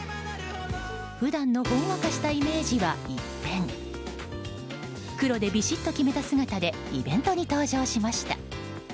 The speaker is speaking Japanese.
普段のほんわかしたイメージは一変黒でビシッと決めた姿でイベントに登場しました。